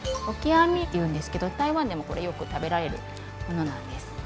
オキアミっていうんですけど台湾でもこれよく食べられるものなんです。